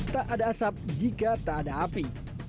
tak ada asap jika tak ada api